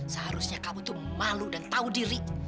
seharusnya kamu tuh malu dan tahu diriku